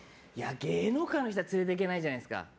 芸能界の友達は連れていけないじゃないですか。